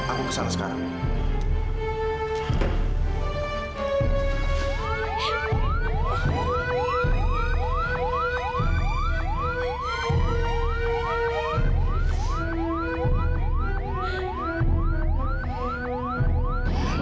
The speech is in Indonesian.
aku kesana sekarang